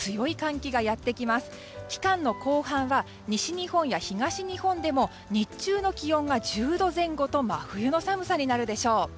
期間の後半は西日本や東日本でも日中の気温が１０度前後と真冬の寒さになるでしょう。